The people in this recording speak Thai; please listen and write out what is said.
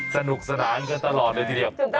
สนุกสนานกันตลอดเลยทีเดียว